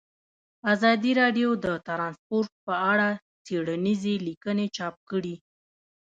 ازادي راډیو د ترانسپورټ په اړه څېړنیزې لیکنې چاپ کړي.